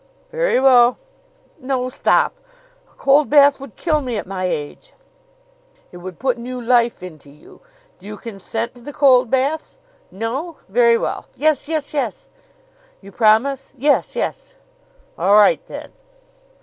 "Very well!" "No; stop! A cold bath would kill me at my age." "It would put new life into you. Do you consent to the cold baths? No? Very well!" "Yes, yes, yes!" "You promise?" "Yes, yes!" "All right, then."